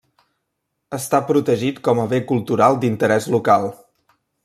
Està protegit com a Bé Cultural d'Interès Local.